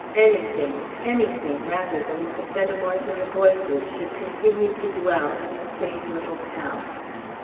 Anything, anything rather than that the Fenimores and the Boyces should continue to dwell in the same little town.